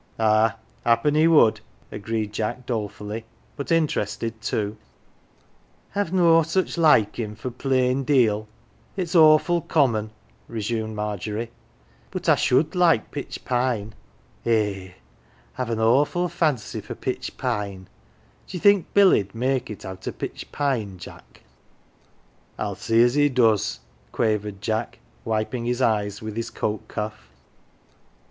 " Ah, happen he would," agreed Jack dolefully, but interested too. " I've no such likin' for plain deal ; it's awful com mon," resumed Margery ;" but I should like pitch pine. Eh, I've an awful fancy for pitch pine d'ye think Billy 'd make it o' pitch pine, Jack ?" 139 "THE GILLY F'ERS" " I'll see as he does,"" quavered Jack, wiping his eyes with his coat cuff'.